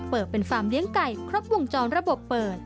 เปิดเป็นฟาร์มเลี้ยงไก่ครบวงจรระบบเปิด